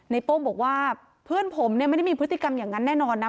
โป้งบอกว่าเพื่อนผมเนี่ยไม่ได้มีพฤติกรรมอย่างนั้นแน่นอนนะ